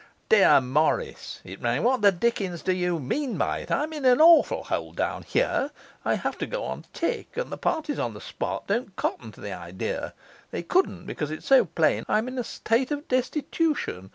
Dear Morris [it ran], what the dickens do you mean by it? I'm in an awful hole down here; I have to go on tick, and the parties on the spot don't cotton to the idea; they couldn't, because it is so plain I'm in a stait of Destitution.